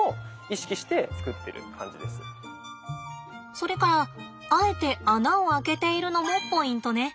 それからあえて穴を開けているのもポイントね。